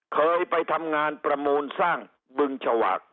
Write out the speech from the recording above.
เคยไปทำงานประมูลสร้างบึงฉวาก